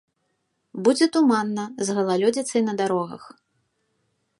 Будзе туманна, з галалёдзіцай на дарогах.